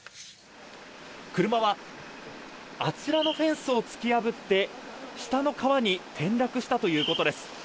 車はあちらのフェンスを突き破って、下の川に転落したということです。